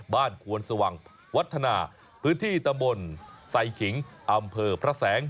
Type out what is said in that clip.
ควนสว่างวัฒนาพื้นที่ตำบลไซขิงอำเภอพระแสง